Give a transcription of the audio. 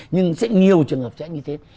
nhưng sẽ nhiều trường hợp sẽ như thế